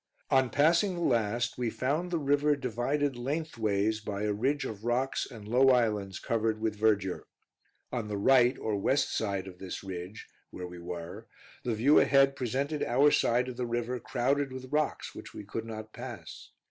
On passing the last, we found the river divided lengthways, by a ridge of rocks and low islands covered with verdure. On the right or west side of this ridge, where we were, the view ahead presented our side of the river crowded with rocks, which we could not pass.